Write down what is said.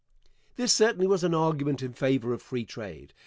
This certainly was an argument in favor of free trade.